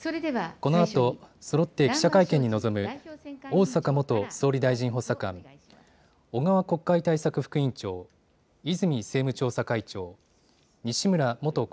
このあとそろって記者会見に臨む逢坂元総理大臣補佐官、小川国会対策副委員長、泉政務調査会長、西村元厚